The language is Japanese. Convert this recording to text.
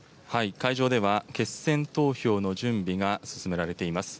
会場では決選投票の準備が進められています。